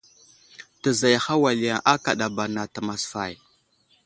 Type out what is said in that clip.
Təzayaha wal yaŋ akadaba nat masfay.